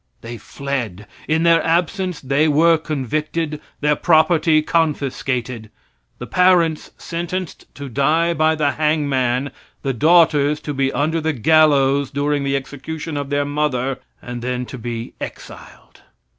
They fled. In their absence they were convicted, their property confiscated. The parents sentenced to die by the hangman, the daughters to be under the gallows during the execution of their mother and then to be exiled.